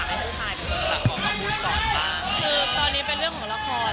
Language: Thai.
คือตอนนี้เป็นเรื่องของละครนะคะ